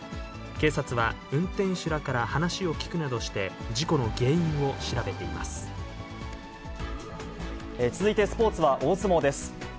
警察は、運転手らから話を聴くなどして、事故の原因を調べていま続いて、スポーツは大相撲です。